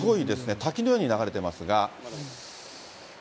滝のように流れてますが。